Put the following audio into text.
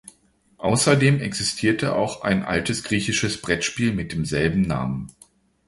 Außerdem existierte auch ein altes griechisches Brettspiel mit demselben Namen.